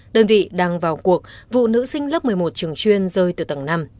đơn vị đang vào cuộc vụ nữ sinh lớp một mươi một trường chuyên rơi từ tầng năm